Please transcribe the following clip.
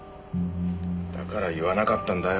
だから言わなかったんだよ。